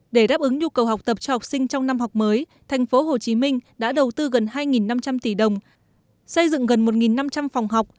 để đáp ứng nhu cầu học tập cho học sinh trong năm học mới tp hcm đã đầu tư gần hai năm trăm linh tỷ đồng xây dựng gần một năm trăm linh phòng học